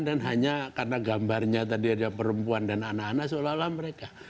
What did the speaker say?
dan hanya karena gambarnya tadi ada perempuan dan anak anak seolah olah mereka